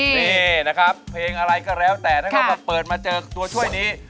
นี่นะครับเพลงอะไรก็แล้วแต่นะครับมาเปิดมาเจอตัวช่วยนี้